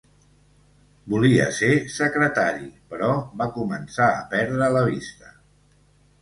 Volia ser secretari, però va començar a perdre la vista.